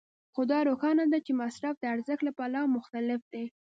خو دا روښانه ده چې مصرف د ارزښت له پلوه مختلف دی